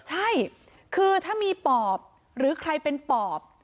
ใช่คือถ้ามีปอบหรือใครเป็นปอบ